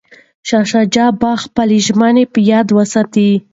شاه شجاع باید خپله ژمنه په یاد وساتي.